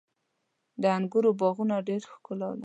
• د انګورو باغونه ډېره ښکلا لري.